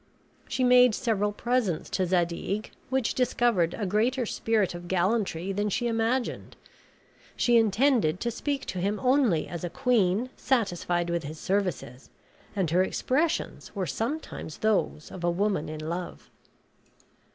She made several presents to Zadig, which discovered a greater spirit of gallantry than she imagined. She intended to speak to him only as a queen satisfied with his services and her expressions were sometimes those of a woman in love.